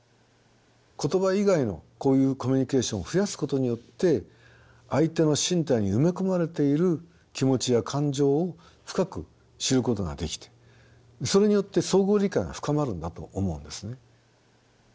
言葉以外のこういうコミュニケーションを増やすことによって相手の身体に埋め込まれている気持ちや感情を深く知ることができてそれによって相互理解が深まるんだと思うんですね。